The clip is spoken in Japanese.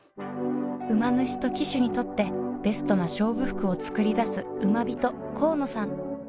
馬主と騎手にとってベストな勝負服を作り出すウマビト河野さん